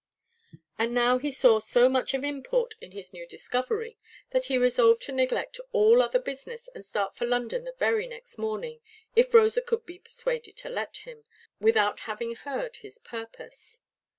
And now he saw so much of import in his new discovery, that he resolved to neglect all other business, and start for London the very next morning, if Rosa could be persuaded to let him, without having heard his purpose.